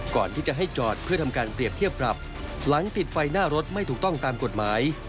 ก่อนที่จะให้จอดเพื่อทำการเปรียบเทียบปรับหลังติดไฟหน้ารถไม่ถูกต้องตามกฎหมาย